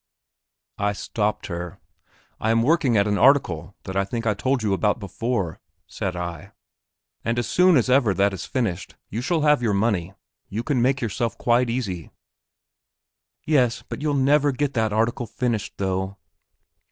I stopped her. "I am working at an article that I think I told you about before," said I, "and as soon as ever that is finished, you shall have your money; you can make yourself quite easy...." "Yes; but you'll never get that article finished, though."